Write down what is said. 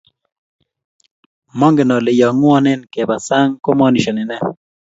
Mongen ale yoo ngwongeng ke bas saang komonishane nee?